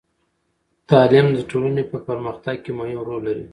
تعلیم د ټولنې په پرمختګ کې مهم رول لري.